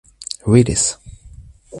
Willis.